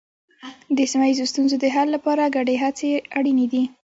د سیمه ییزو ستونزو د حل لپاره ګډې هڅې اړینې دي.